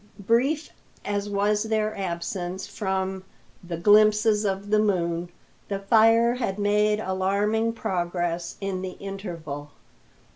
Brief as was their absence from "the glimpses of the moon," the fire had made alarming progress in the interval.